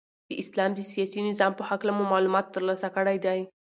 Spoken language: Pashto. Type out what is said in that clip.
د اسلام د سیاسی نظام په هکله مو معلومات ترلاسه کړی دی.